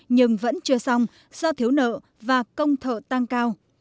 nhưng vẫn chưa xong do thiếu nợ và công thợ tăng cao